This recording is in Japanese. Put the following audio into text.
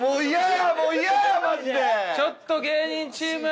ちょっと芸人チーム。